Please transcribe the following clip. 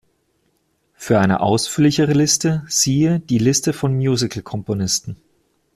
Für eine ausführlichere Liste siehe die Liste von Musical-Komponisten.